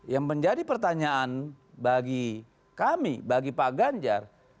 yang menjadi pertanyaan bagi kami bagi pak ganjar